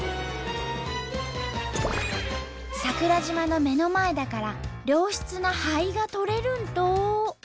桜島の目の前だから良質な灰がとれるんと！